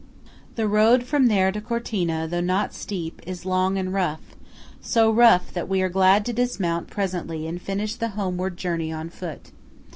The road from there to Cortina, though not steep, is long and rough–so rough that we are glad to dismount presently and finish the homeward journey on foot.